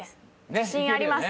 自信あります。